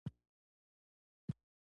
د الوویرا شیره د څه لپاره وکاروم؟